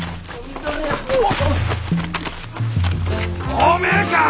おめえか！